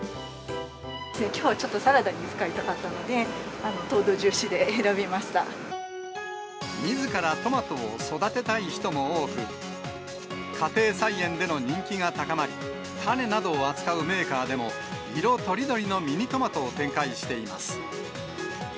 きょうはちょっとサラダに使いたかったので、みずからトマトを育てたい人も多く、家庭菜園での人気が高まり、種などを扱うメーカーでも、色とりどりのミニトマトを展開しています。